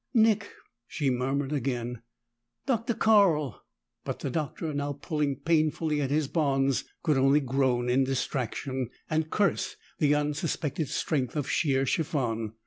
"Nick!" she murmured again. "Dr. Carl!" But the Doctor, now pulling painfully at his bonds, could only groan in distraction, and curse the unsuspected strength of sheer chiffon.